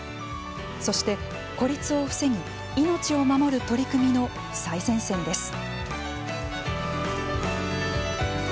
そして孤立を防ぎ命を守る取り組みの最前線です。